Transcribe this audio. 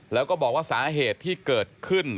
แล้วก็บอกว่าสาเหตุที่เกิดขึ้น